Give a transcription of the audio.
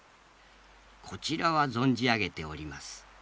こちらは存じ上げております。